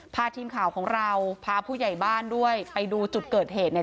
พาทีมข่าวของเราพาผู้ใหญ่บ้านด้วยไปดูจุดเกิดเหตุเนี่ย